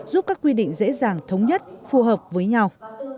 giúp các quy định dễ dàng thống nhất phù hợp với nhau